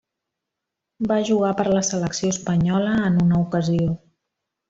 Va jugar per la selecció espanyola en una ocasió.